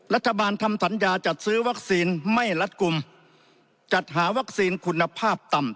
รัฐบาลทำสัญญาจัดซื้อวัคซีนไม่รัดกลุ่มจัดหาวัคซีนคุณภาพต่ำ